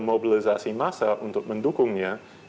mobilisasi massa untuk mendukungnya